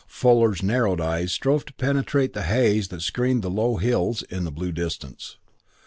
Fuller's narrowed eyes strove to penetrate the haze that screened the low hills in the blue distance.